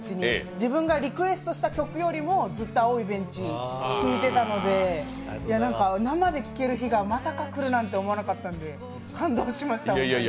自分がリクエストした曲よりも「青いベンチ」聴いてたので生で聴ける日がまさか来るなんて思ってなかったんで感動しました、本当に。